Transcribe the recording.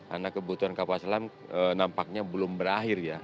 karena kebutuhan kapal selam nampaknya belum berakhir ya